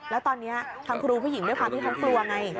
แล้วตอนนี้ทางครูผู้หญิงด้วยความที่เขากลัวไง